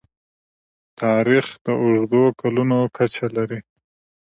تاریخ د اوږدو کلونو کچه لري.